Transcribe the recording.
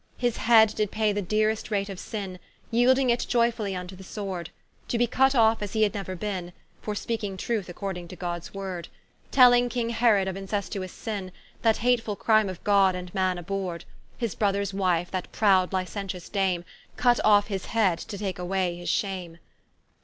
His Head did pay the dearest rate of sin, Yeelding it joyfully vnto the Sword, To be cut off as he had neuer bin, For speaking truth according to Gods word, Telling king Herod of incestuous sin, That hatefull crime of God and man abhorr'd: His brothers wife, that prowd licentious Dame, Cut off his Head to take away his shame.